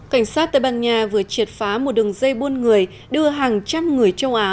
cảnh sát tây ban nha vừa triệt phá một đường dây buôn người đưa hàng trăm người châu á